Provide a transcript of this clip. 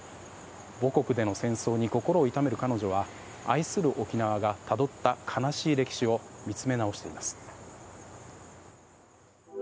母国での戦争に心を痛める彼女が愛する沖縄がたどった悲しい歴史を見つめ直しています。